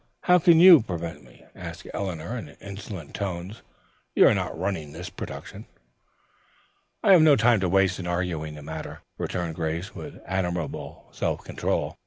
"How can you prevent me!" asked Eleanor in insolent tones. "You are not running this production." "I have no time to waste in arguing the matter," returned Grace with admirable self control.